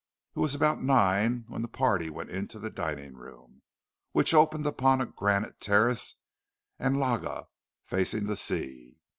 It was about nine when the party went into the dining room, which opened upon a granite terrace and loggia facing the sea.